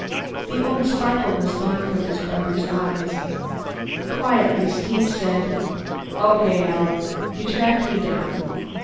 The old sparkle was gone from his brother's eyes. Quietly Steve said, "Okay, Alan. You tracked me down.